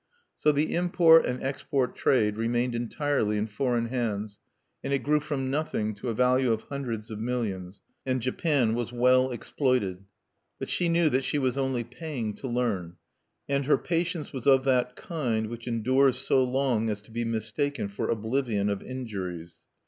So the import and export trade remained entirely in foreign hands, and it grew from nothing to a value of hundreds of millions; and Japan was well exploited. But she knew that she was only paying to learn; and her patience was of that kind which endures so long as to be mistaken for oblivion of injuries.